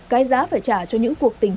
cái giá phải trả cho những người đàn ông